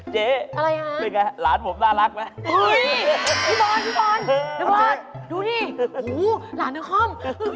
เจ๊ล้านผมน่ารักไหม